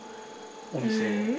お店。